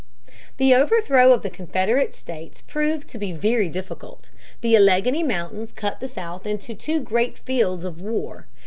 The overthrow of the Confederate states proved to be very difficult. The Alleghany Mountains cut the South into two great fields of war.